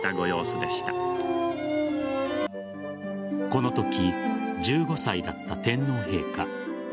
このとき１５歳だった天皇陛下。